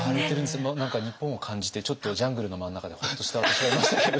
何か日本を感じてちょっとジャングルの真ん中でホッとした私がいましたけれど。